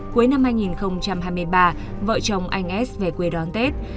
cuối năm hai nghìn hai mươi ba vợ chồng anh s về quê đón tết